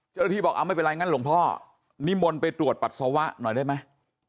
เจ้าหน้าที่บอกเอาไม่เป็นไรงั้นหลวงพ่อนิมนต์ไปตรวจปัสสาวะหน่อยได้ไหม